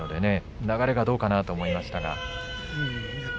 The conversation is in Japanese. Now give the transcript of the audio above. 流れはどうかなと思いましたけど。